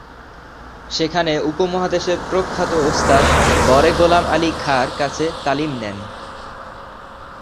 সেখানে উপমহাদেশের প্রখ্যাত ওস্তাদ বড়ে গোলাম আলী খাঁ’র কাছে তালিম নেন।